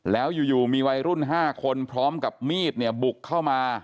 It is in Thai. แล้วอยู่มีวัยรุ่น๕คนพร้อมกับมีดเนี่ยบุกเข้ามา